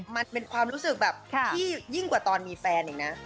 มันเป็นความรู้สึกแบบที่ยิ่งกว่าตอนมีแฟนอีกนะ